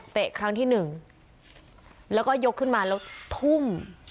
ครั้งที่หนึ่งแล้วก็ยกขึ้นมาแล้วทุ่ม